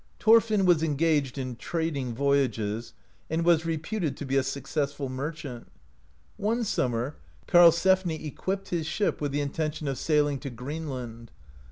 Thorfmn was engaged in trading voyages, and was reputed to be a successful merchant. One sum mer Karlsefni equipped his ship, with the intention of sailing to Greenland.